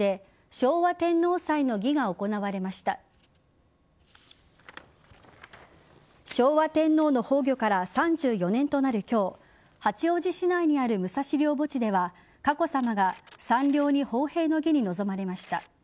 昭和天皇の崩御から３４年となる今日八王子市内にある武蔵陵墓地では佳子さまが山陵に奉幣の儀に臨まれました。